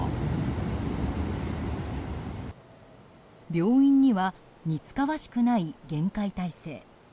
病院には似つかわしくない厳戒態勢。